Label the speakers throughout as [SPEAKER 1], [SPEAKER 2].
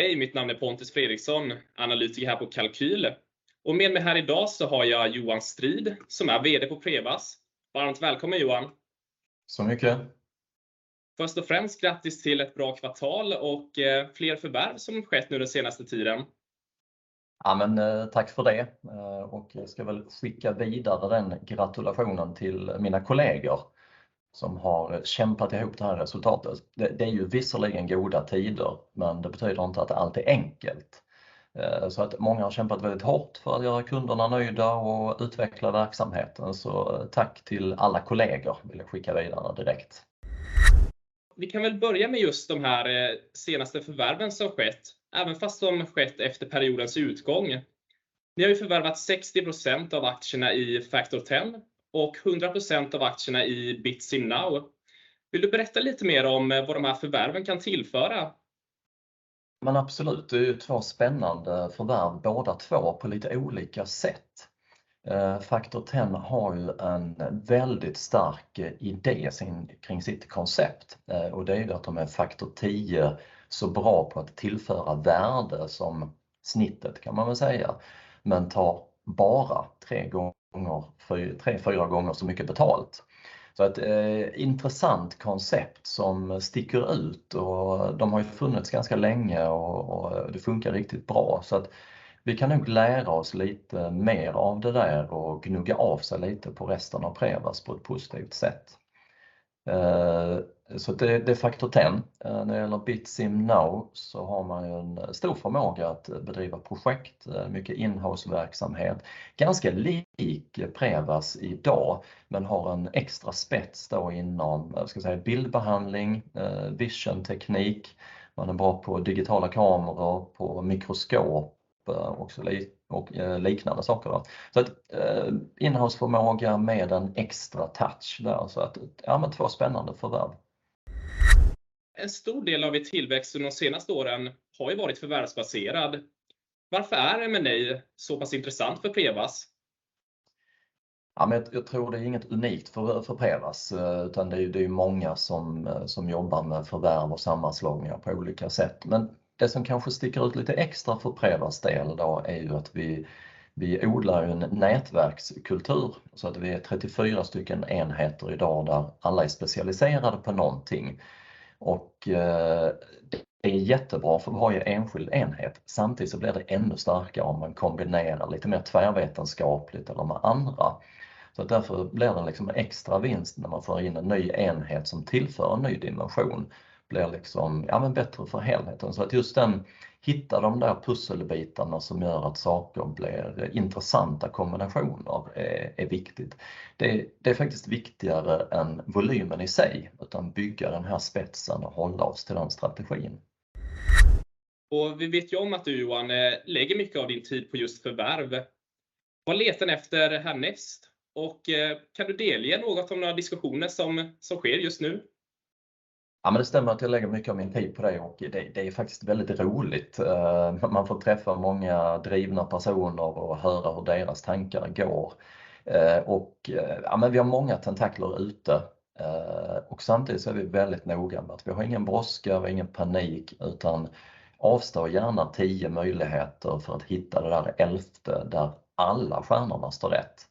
[SPEAKER 1] Hej, mitt namn är Pontus Fredriksson, analytiker här på Kalqyl. Med mig här i dag så har jag Johan Strid som är VD på Prevas. Varmt välkommen Johan.
[SPEAKER 2] Mycket.
[SPEAKER 1] Först och främst grattis till ett bra kvartal och fler förvärv som skett nu den senaste tiden.
[SPEAKER 2] Ja men tack för det. Och jag ska väl skicka vidare den grattulationen till mina kollegor som har kämpat ihop det här resultatet. Det är ju visserligen goda tider, men det betyder inte att allt är enkelt. Så att många har kämpat väldigt hårt för att göra kunderna nöjda och utveckla verksamheten. Så tack till alla kollegor vill jag skicka vidare direkt.
[SPEAKER 1] Vi kan väl börja med just de här senaste förvärven som skett, även om de skett efter periodens utgång. Ni har ju förvärvat 60% av aktierna i factor10 och 100% av aktierna i BitSim NOW. Vill du berätta lite mer om vad de här förvärven kan tillföra?
[SPEAKER 2] Absolut, det är ju två spännande förvärv, båda två på lite olika sätt. Factor10 har ju en väldigt stark idé sin, kring sitt koncept. Och det är ju att de är faktor tio så bra på att tillföra värde som snittet kan man väl säga. Tar bara tre gånger, tre, fyra gånger så mycket betalt. Så att intressant koncept som sticker ut och de har funnits ganska länge och det funkar riktigt bra. Så att vi kan nog lära oss lite mer av det där och gnugga av sig lite på resten av Prevas på ett positivt sätt. Så det är Factor10. När det gäller BitSim NOW så har man ju en stor förmåga att bedriva projekt, mycket in-house verksamhet. Ganska lik Prevas i dag, men har en extra spets då inom, vad ska jag säga, bildbehandling, visionsteknik. Man är bra på digitala kameror, på mikroskop och så liknande saker. In-houseförmåga med en extra touch där. Ja men två spännande förvärv.
[SPEAKER 1] En stor del av er tillväxt under de senaste åren har ju varit förvärvsbaserad. Varför är M&A så pass intressant för Prevas?
[SPEAKER 2] Ja men jag tror det är inget unikt för Prevas, utan det är ju många som jobbar med förvärv och sammanslagningar på olika sätt. Det som kanske sticker ut lite extra för Prevas del då är ju att vi odlar ju en nätverkskultur så att vi är 34 stycken enheter i dag där alla är specialiserade på någonting. Det är jättebra för varje enskild enhet. Samtidigt så blir det ännu starkare om man kombinerar lite mer tvärvetenskapligt eller med andra. Därför blir det liksom en extra vinst när man för in en ny enhet som tillför en ny dimension. Blir liksom bättre för helheten. Att just hitta de där pusselbitarna som gör att saker blir intressanta kombinationer är viktigt. Det är faktiskt viktigare än volymen i sig, utan bygga den här spetsen och hålla oss till den strategin.
[SPEAKER 1] Vi vet ju om att du Johan lägger mycket av din tid på just förvärv. Vad letar ni efter härnäst? Kan du delge något om några diskussioner som sker just nu?
[SPEAKER 2] Ja, men det stämmer att jag lägger mycket av min tid på det och det är faktiskt väldigt roligt. Man får träffa många drivna personer och höra hur deras tankar går. Vi har många tentakler ute, och samtidigt så är vi väldigt noga med att vi har ingen brådska, vi har ingen panik, utan avstår gärna tio möjligheter för att hitta det där elfte där alla stjärnorna står rätt.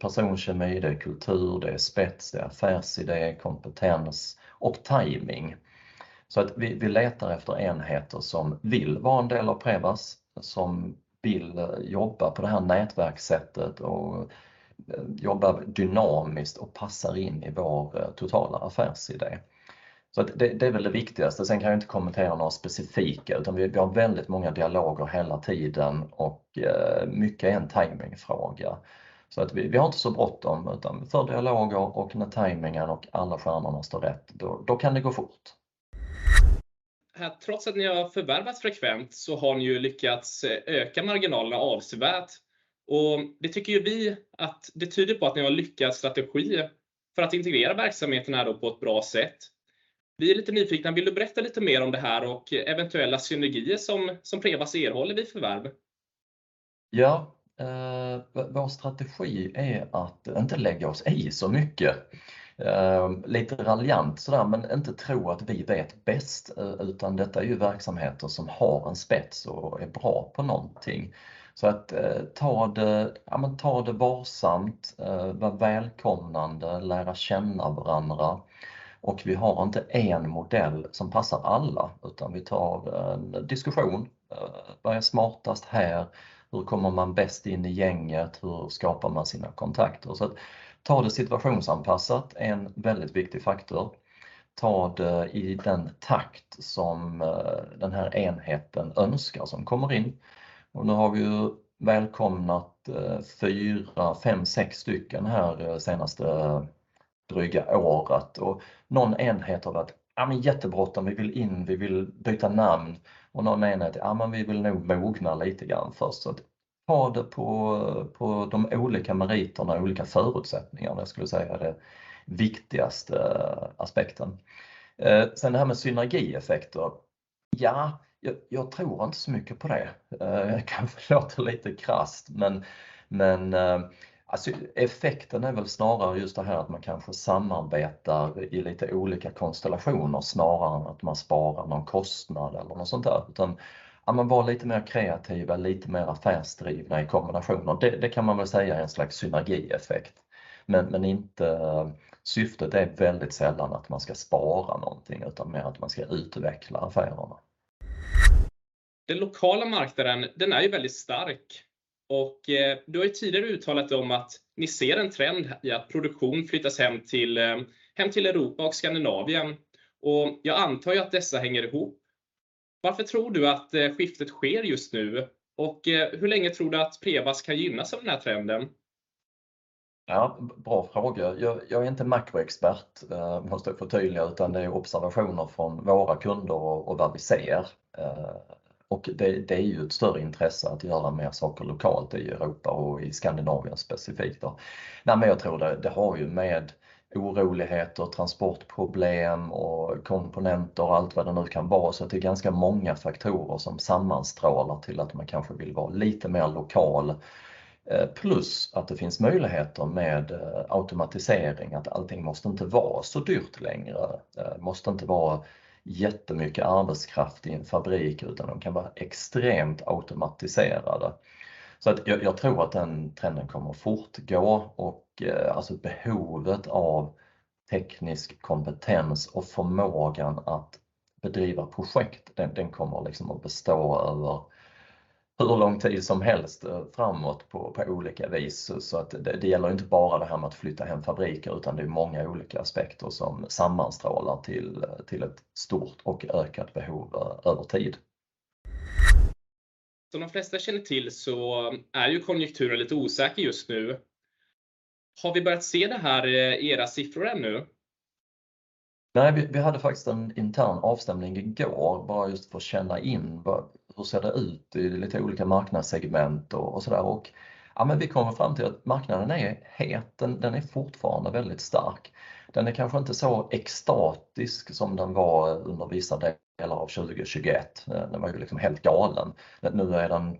[SPEAKER 2] Personkemi, det är kultur, det är spets, det är affärsidé, kompetens och tajming. Vi letar efter enheter som vill vara en del av Prevas, som vill jobba på det här nätverkssättet och jobbar dynamiskt och passar in i vår totala affärsidé. Det är väl det viktigaste. Kan jag inte kommentera några specifika, utan vi har väldigt många dialoger hela tiden och mycket är en tajmingfråga. Vi har inte så bråttom, utan för dialoger och när tajmingen och alla stjärnorna står rätt, då kan det gå fort.
[SPEAKER 1] Trots att ni har förvärvat frekvent så har ni ju lyckats öka marginalerna avsevärt. Det tycker ju vi att det tyder på att ni har lyckats med strategier för att integrera verksamheterna då på ett bra sätt. Vi är lite nyfikna, vill du berätta lite mer om det här och eventuella synergier som Prevas erhåller vid förvärv?
[SPEAKER 2] Ja, vår strategi är att inte lägga oss i så mycket. Lite raljant sådär, men inte tro att vi vet bäst, utan detta är ju verksamheter som har en spets och är bra på någonting. Ta det, ja men ta det varsamt, vara välkomnande, lära känna varandra. Vi har inte en modell som passar alla, utan vi tar en diskussion. Vad är smartast här? Hur kommer man bäst in i gänget? Hur skapar man sina kontakter? Ta det situationsanpassat är en väldigt viktig faktor. Ta det i den takt som den här enheten önskar som kommer in. Nu har vi ju välkomnat 4, 5, 6 stycken här senaste dryga året. Någon enhet har det varit: "Ja, men jättebråttom, vi vill in, vi vill byta namn." Någon enhet: "Ja, men vi vill nog mogna lite grann först." Att ta det på de olika meriterna, olika förutsättningarna, jag skulle säga, är det viktigaste aspekten. Sen det här med synergieffekter. Ja, jag tror inte så mycket på det. Det kanske låter lite krasst, men effekten är väl snarare just det här att man kanske samarbetar i lite olika konstellationer snarare än att man sparar någon kostnad eller något sånt där. Utan att man var lite mer kreativa, lite mer affärsdrivna i kombinationer. Det kan man väl säga är en slags synergieffekt. Men inte syftet är väldigt sällan att man ska spara någonting utan mer att man ska utveckla affärerna.
[SPEAKER 1] Den lokala marknaden, den är ju väldigt stark och du har ju tidigare uttalat om att ni ser en trend i att produktion flyttas hem till Europa och Skandinavien. Jag antar ju att dessa hänger ihop. Varför tror du att skiftet sker just nu? Hur länge tror du att Prevas kan gynnas av den här trenden?
[SPEAKER 2] Ja, bra fråga. Jag är inte makroexpert, måste jag förtydliga, utan det är observationer från våra kunder och vad vi ser. Det är ju ett större intresse att göra mer saker lokalt i Europa och i Skandinavien specifikt då. Nej men jag tror det har ju med oroligheter, transportproblem och komponenter och allt vad det nu kan vara. Det är ganska många faktorer som sammanstrålar till att man kanske vill vara lite mer lokal. Plus att det finns möjligheter med automatisering, att allting måste inte vara så dyrt längre. Måste inte vara jättemycket arbetskraft i en fabrik, utan de kan vara extremt automatiserade. Jag tror att den trenden kommer fortgå och alltså behovet av teknisk kompetens och förmågan att bedriva projekt, den kommer liksom att bestå över hur lång tid som helst framåt på olika vis. Att det gäller inte bara det här med att flytta hem fabriker, utan det är många olika aspekter som sammanstrålar till ett stort och ökat behov över tid.
[SPEAKER 1] Som de flesta känner till så är ju konjunkturen lite osäker just nu. Har vi börjat se det här i era siffror ännu?
[SPEAKER 2] Nej, vi hade faktiskt en intern avstämning igår bara just för att känna in hur ser det ut i lite olika marknadssegment och sådär. Ja men vi kommer fram till att marknaden är het, den är fortfarande väldigt stark. Den är kanske inte så ekstatisk som den var under vissa delar av 2021. Den var ju liksom helt galen. Nu är den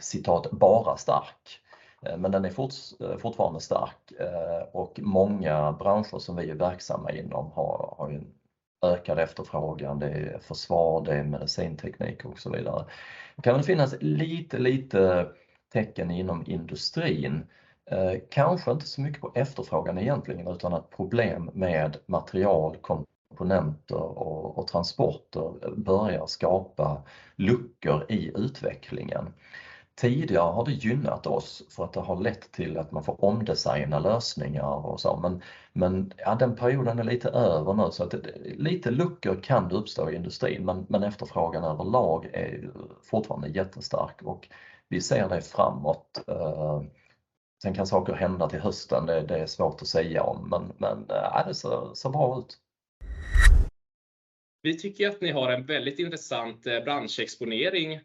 [SPEAKER 2] citerat "bara stark". Den är fortfarande stark och många branscher som vi är verksamma inom har en ökad efterfrågan. Det är Försvar, det är medicinteknik och så vidare. Det kan väl finnas lite tecken inom industrin. Kanske inte så mycket på efterfrågan egentligen, utan ett problem med material, komponenter och transporter börjar skapa luckor i utvecklingen. Tidigare har det gynnat oss för att det har lett till att man får omdesigna lösningar och så. Ja den perioden är lite över nu, så att lite luckor kan det uppstå i industrin, men efterfrågan överlag är fortfarande jättestark och vi ser det framåt. Kan saker hända till hösten, det är svårt att säga om, men det ser bra ut.
[SPEAKER 1] Vi tycker att ni har en väldigt intressant branschexponering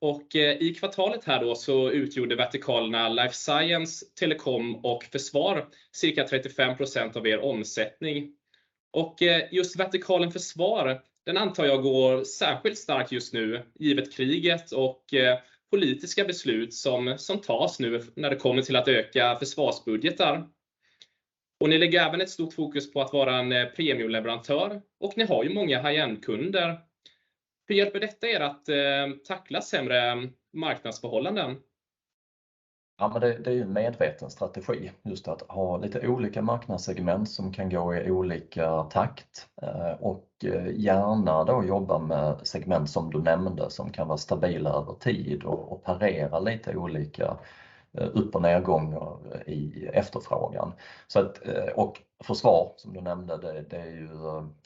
[SPEAKER 1] och i kvartalet här då så utgjorde vertikalerna Life Science, telekom och Försvar cirka 35% av er omsättning. Just vertikalen Försvar, den antar jag går särskilt stark just nu, givet kriget och politiska beslut som tas nu när det kommer till att öka försvarsbudgetar. Ni lägger även ett stort fokus på att vara en premiumleverantör och ni har ju många high end kunder. Hur hjälper detta er att tackla sämre marknadsförhållanden?
[SPEAKER 2] Det är ju en medveten strategi just att ha lite olika marknadssegment som kan gå i olika takt och gärna då jobba med segment som du nämnde som kan vara stabila över tid och parera lite olika upp- och nedgångar i efterfrågan. Försvar som du nämnde, det är ju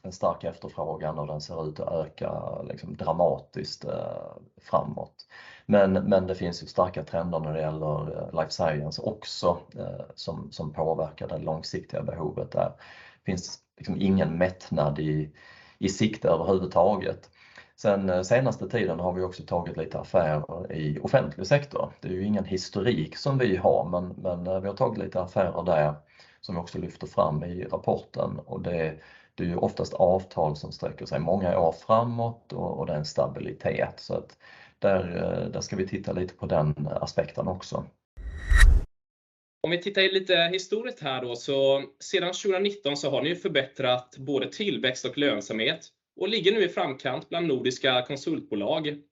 [SPEAKER 2] en stark efterfrågan och den ser ut att öka liksom dramatiskt framåt. Det finns ju starka trender när det gäller Life Science också som påverkar det långsiktiga behovet där. Det finns liksom ingen mättnad i sikte överhuvudtaget. På senaste tiden har vi också tagit lite affärer i offentlig sektor. Det är ju ingen historik som vi har, men vi har tagit lite affärer där som vi också lyfter fram i rapporten. Det är ju oftast avtal som sträcker sig många år framåt och det är en stabilitet. Där ska vi titta lite på den aspekten också.
[SPEAKER 1] Om vi tittar lite historiskt här då så sedan 2019 så har ni förbättrat både tillväxt och lönsamhet och ligger nu i framkant bland nordiska konsultbolag.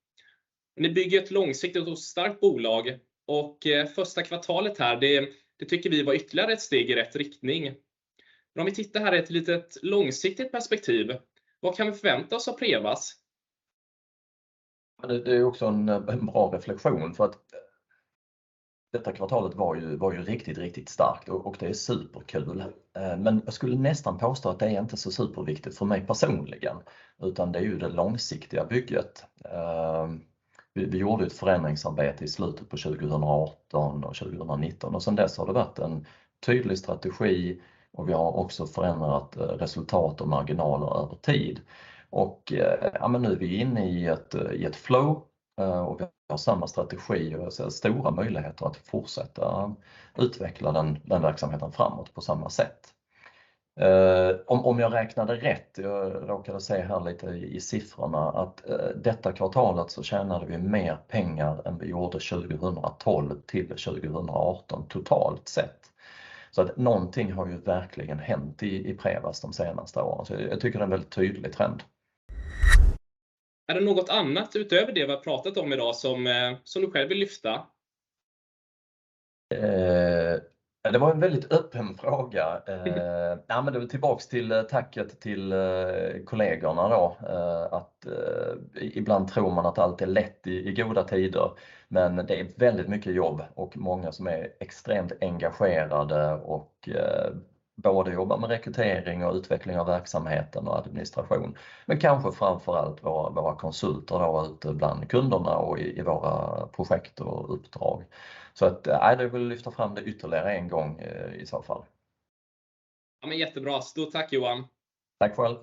[SPEAKER 1] Ni bygger ett långsiktigt och starkt bolag och första kvartalet här, det tycker vi var ytterligare ett steg i rätt riktning. Om vi tittar här i ett litet långsiktigt perspektiv, vad kan vi förvänta oss av Prevas?
[SPEAKER 2] Det är också en bra reflektion för att detta kvartalet var ju riktigt starkt och det är superkul. Men jag skulle nästan påstå att det är inte så superviktigt för mig personligen, utan det är ju det långsiktiga bygget. Vi gjorde ett förändringsarbete i slutet på 2018 och 2019 och sedan dess har det varit en tydlig strategi och vi har också förändrat resultat och marginaler över tid. Och ja men nu är vi inne i ett flow och vi har samma strategi och jag ser stora möjligheter att fortsätta utveckla den verksamheten framåt på samma sätt. Om jag räknade rätt, jag råkade se här lite i siffrorna att detta kvartalet så tjänade vi mer pengar än vi gjorde 2012 till 2018 totalt sett. Så att någonting har ju verkligen hänt i Prevas de senaste åren. Jag tycker det är en väldigt tydlig trend.
[SPEAKER 1] Är det något annat utöver det vi har pratat om i dag som du själv vill lyfta?
[SPEAKER 2] Det var en väldigt öppen fråga. Ja men det är väl tillbaka till tacket till kollegorna då. Att ibland tror man att allt är lätt i goda tider, men det är väldigt mycket jobb och många som är extremt engagerade och både jobbar med rekrytering och utveckling av verksamheten och administration. Men kanske framför allt våra konsulter då ute bland kunderna och i våra projekt och uppdrag. Så att jag vill lyfta fram det ytterligare en gång i så fall.
[SPEAKER 1] Ja men jättebra. Stort tack Johan.
[SPEAKER 2] Tack själv.